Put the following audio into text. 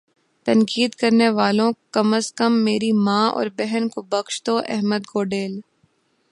تنقید کرنے والو کم از کم میری ماں اور بہن کو بخش دو احمد گوڈیل